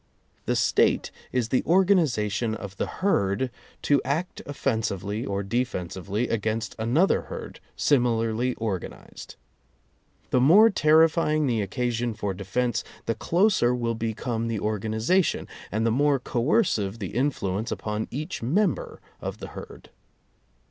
The State is the organization of the herd to act offensively or defensively against an other herd similarly organized. The more terri fying the occasion for defense, the closer will be come the organization and the more coercive the influence upon each member of the herd.